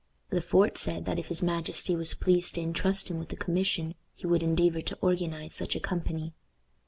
Le Fort said that if his majesty was pleased to intrust him with the commission, he would endeavor to organize such a company.